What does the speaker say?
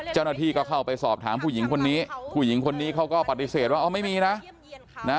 เจ้าหน้าที่ก็เข้าไปสอบถามผู้หญิงคนนี้ผู้หญิงคนนี้เขาก็ปฏิเสธว่าอ๋อไม่มีนะ